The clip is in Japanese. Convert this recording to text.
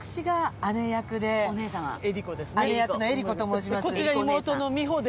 姉役の江里子と申します。